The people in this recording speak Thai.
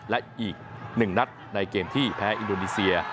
และอีก๑นัดในเกมที่แพ้อินโดนีเซีย